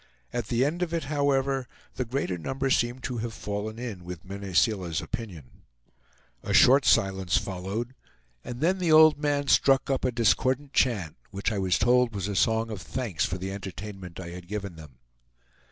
At the end of it, however, the greater number seemed to have fallen in with Mene Seela's opinion. A short silence followed, and then the old man struck up a discordant chant, which I was told was a song of thanks for the entertainment I had given them.